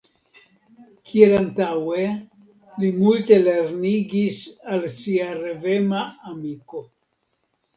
Kiel antaŭe, li multe lernigis al sia revema amiko.